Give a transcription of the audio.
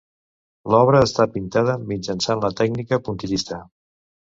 L'obra està pintada mitjançant la tècnica puntillista.